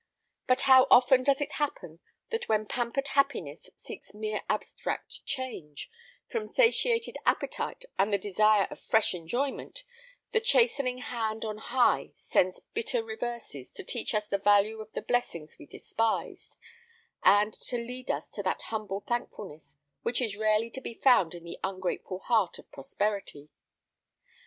But how often does it happen that when pampered happiness seeks mere abstract change, from satiated appetite and the desire of fresh enjoyment, the chastening hand on high sends bitter reverses, to teach us the value of the blessings we despised, and to lead us to that humble thankfulness which is rarely to be found in the ungrateful heart of prosperity.